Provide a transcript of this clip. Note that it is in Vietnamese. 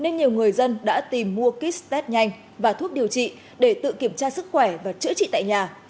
người dân đã tìm mua kit test nhanh và thuốc điều trị để tự kiểm tra sức khỏe và chữa trị tại nhà